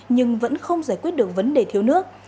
nhưng vẫn không giải quyết được vấn đề thiếu nước